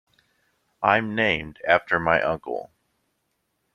I'm named after my uncle.